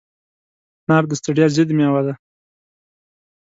انار د ستړیا ضد مېوه ده.